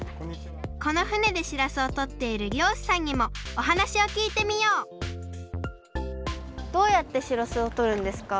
この船でしらすをとっているりょうしさんにもおはなしをきいてみようどうやってしらすをとるんですか？